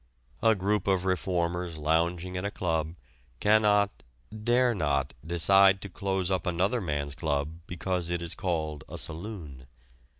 A group of reformers lounging at a club cannot, dare not, decide to close up another man's club because it is called a saloon.